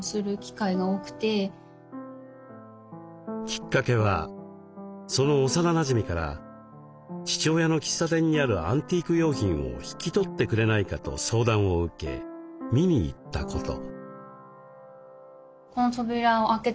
きっかけはその幼なじみから父親の喫茶店にあるアンティーク用品を引き取ってくれないかと相談を受け見に行ったこと。